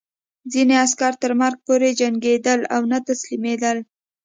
ځینې عسکر تر مرګ پورې جنګېدل او نه تسلیمېدل